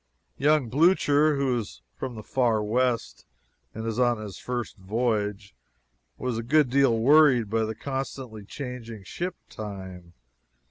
Young Mr. Blucher, who is from the Far West and is on his first voyage, was a good deal worried by the constantly changing "ship time."